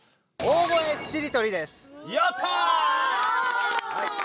やった！